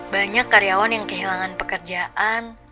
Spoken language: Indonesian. banyak karyawan yang kehilangan pekerjaan